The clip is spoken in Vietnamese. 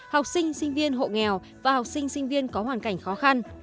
học sinh sinh viên hộ nghèo và học sinh sinh viên có hoàn cảnh khó khăn